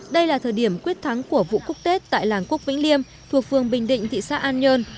đây là thời điểm quyết thắng của vụ cúc tết tại làng cúc vĩnh liêm thuộc phương bình định thị xã an nhơn